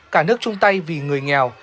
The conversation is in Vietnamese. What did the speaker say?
cả nước chung tay vì người nghèo